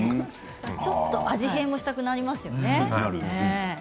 ちょっと味変をしたくなりますよね。